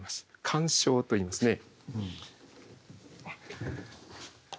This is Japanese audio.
「干渉」といいますね。